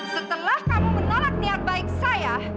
setelah kamu menolak niat baik saya